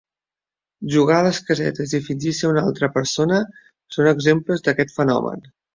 Jugar a les casetes i fingir ser una altra persona són exemples d'aquest fenomen.